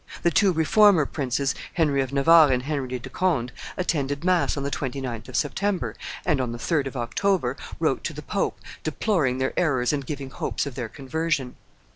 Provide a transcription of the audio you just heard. The two Reformer princes, Henry of Navarre and Henry de Conde, attended mass on the 29th of September, and, on the 3d of October, wrote to the pope, deploring their errors and giving hopes of their conversion.